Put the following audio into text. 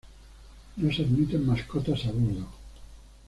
No se admiten mascotas a bordo.